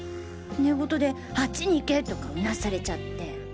寝言であっちに行けとかうなされちゃって。